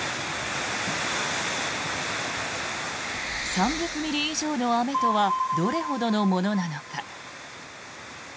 ３００ミリ以上の雨とはどれほどのものなのか。